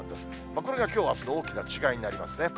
これがきょう、あすの大きな違いになりますね。